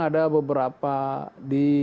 ada beberapa di